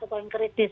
atau yang kritis